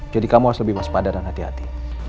jadi kamu harus lebih waspada dan hati hati